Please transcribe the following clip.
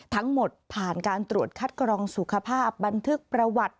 ทั้งหมดผ่านการตรวจคัดกรองสุขภาพบันทึกประวัติ